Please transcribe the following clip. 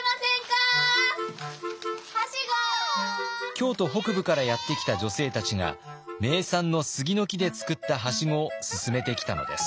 京都北部からやって来た女性たちが名産の杉の木で作ったはしごをすすめてきたのです。